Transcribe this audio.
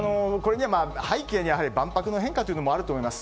背景に万博の変化もあると思います。